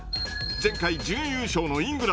前回準優勝のイングランド。